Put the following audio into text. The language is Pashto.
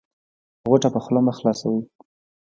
غوټه په خوله مه خلاصوی